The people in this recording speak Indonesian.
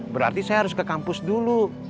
berarti saya harus ke kampus dulu